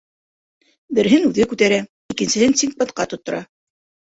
Береһен үҙе күтәрә, икенсеһен Синдбадҡа тоттора.